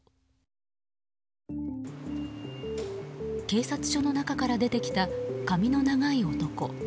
警察署の中から出てきた髪の長い男。